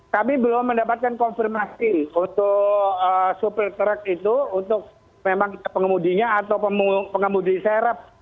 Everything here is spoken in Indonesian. kami belum mendapatkan konfirmasi untuk supir truk itu untuk memang pengemudinya atau pengemudi serep